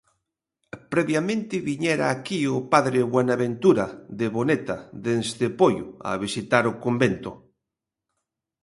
Previamente viñera aquí o padre Buenaventura de Boneta desde Poio a visitar o convento.